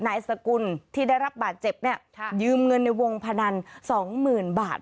นายสกุลที่ได้รับบาดเจ็บเนี่ยยืมเงินในวงพนันสองหมื่นบาท